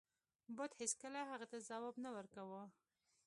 بت هیڅکله هغه ته ځواب نه ورکاو.